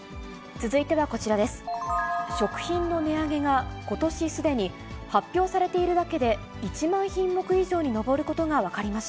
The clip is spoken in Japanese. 続いてはこちらです。